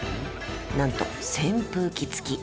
なんと扇風機付き。